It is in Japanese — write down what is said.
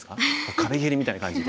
壁蹴りみたいな感じで。